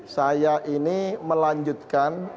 saya ini melanjutkan